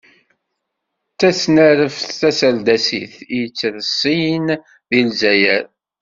D tasnareft taserdasit i yettreṣṣin deg Lezzayer.